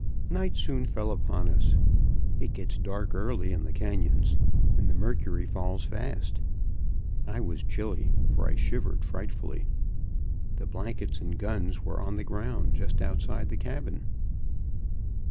Night soon fell upon us; it gets dark early in the canyons, and the mercury falls fast. I was chilly, for I shivered frightfully. The blankets and guns were on the ground just outside the cabin.